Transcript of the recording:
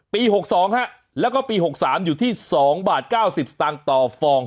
ปี๖๒และก็ปี๖๓อยู่ที่๒๙๐บาทต่อฟอง